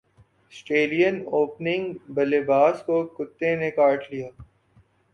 سٹریلین opening بلے باز کو کتے نے کاٹ لیا